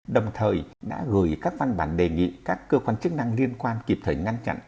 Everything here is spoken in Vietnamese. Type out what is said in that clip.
đồng thời đã gửi các văn bản đề nghị các cơ quan chức năng liên quan kịp thời ngăn chặn